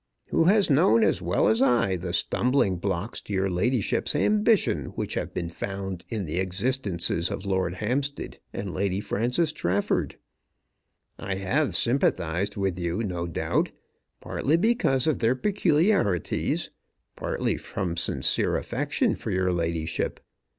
Who has known as well as I the stumbling blocks to your ladyship's ambition which have been found in the existences of Lord Hampstead and Lady Frances Trafford? I have sympathized with you no doubt, partly because of their peculiarities, partly from sincere affection for your ladyship.